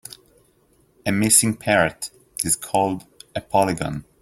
A missing parrot is called a polygon.